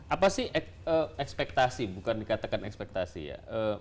apa sih ekspektasi bukan dikatakan ekspektasi ya